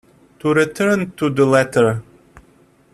To return to the letter.